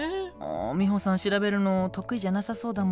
ミホさん調べるの得意じゃなさそうだものねえ。